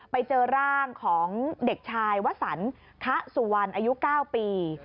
ไปเจอร่างของเด็กชายวสันคะสุวรรณอายุ๙ปี